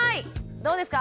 どうですか？